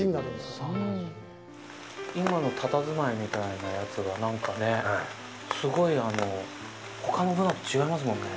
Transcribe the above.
今のたたずまいみたいなやつが、なんかね、すごいほかのブナと違いますもんね？